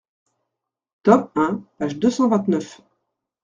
Tome un, page deux cent vingt-neuf.